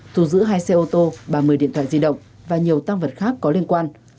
thu giữ hai xe ô tô ba mươi điện thoại di động và nhiều tăng vật khác có liên quan